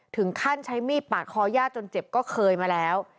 ถึงขั้นใช้มีดปาดคอย่าจนเจ็บก็เคยมาแล้ว